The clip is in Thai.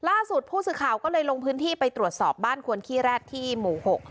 ล่าสุดผู้สื่อข่าวก็เลยลงพื้นที่ไปตรวจสอบบ้านควรขี้แร็ดที่หมู่๖